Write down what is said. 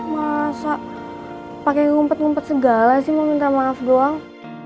masa pakai ngumpet ngumpet segala sih mau minta maaf doang